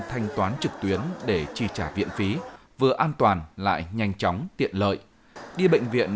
thanh toán trực tuyến để chi trả viện phí vừa an toàn lại nhanh chóng tiện lợi đi bệnh viện